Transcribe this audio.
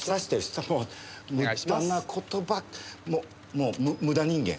もう無駄人間！